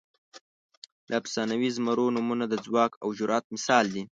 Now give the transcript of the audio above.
د افسانوي زمرو نومونه د ځواک او جرئت مثال دي.